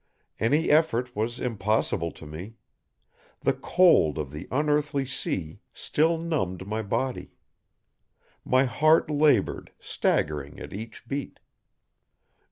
Any effort was impossible to me. The cold of the unearthly sea still numbed my body. My heart labored, staggering at each beat.